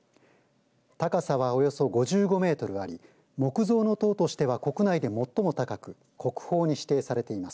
高さは、およそ５５メートルあり木造の塔としては国内で最も高く国宝に指定されています。